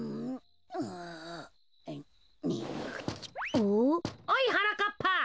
おいはなかっぱ。